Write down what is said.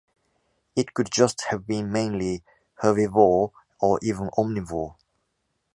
It could just have been mainly herbivore or even omnivore.